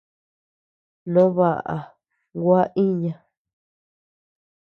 No baʼa gua iña.